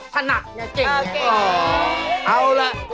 เพราะสนับเก่ง